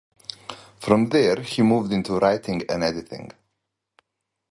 From there, he moved into writing and editing.